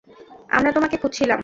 আমরা তোমাকে খুঁজছিলাম।